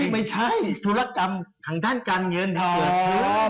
ไม่ใช่ธุรกรรมทางด้านการเงินเถอะ